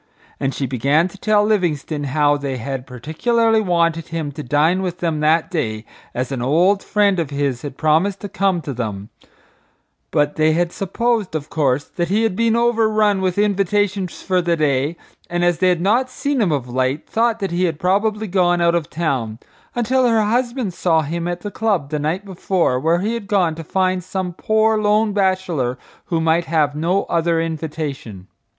And she began to tell Livingstone how they had particularly wanted him to dine with them that day as an old friend of his had promised to come to them, but they had supposed, of course, that he had been overrun with invitations for the day and, as they had not seen him of late, thought that he had probably gone out of town, until her husband saw him at the club the night before where he had gone to find some poor lone bachelor who might have no other invitation.